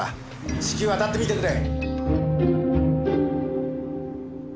至急あたってみてくれ。